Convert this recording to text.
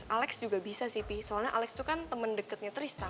alex juga bisa sih pi soalnya alex itu kan temen deketnya trista